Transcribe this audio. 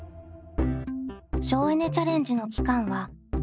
省エネ・チャレンジの期間は２週間。